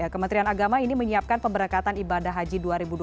kementerian agama ini menyiapkan pemberangkatan ibadah haji dua ribu dua puluh